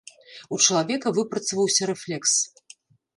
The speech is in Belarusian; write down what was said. У чалавека выпрацаваўся рэфлекс.